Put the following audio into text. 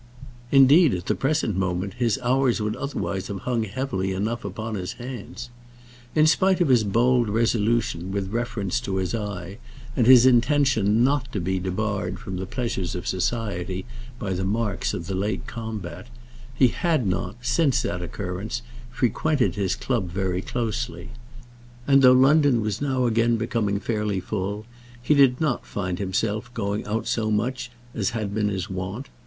Indeed, at the present moment, his hours would otherwise have hung heavily enough upon his hands. In spite of his bold resolution with reference to his eye, and his intention not to be debarred from the pleasures of society by the marks of the late combat, he had not, since that occurrence, frequented his club very closely; and though London was now again becoming fairly full, he did not find himself going out so much as had been his wont.